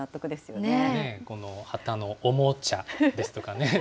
この旗のおもちゃですとかね。